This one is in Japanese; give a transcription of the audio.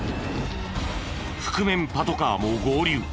覆面パトカーも合流。